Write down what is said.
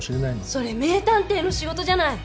それ名探偵の仕事じゃない。